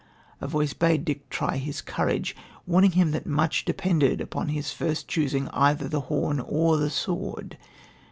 A voice bade Dick try his courage, warning him that much depended upon his first choosing either the horn or the sword.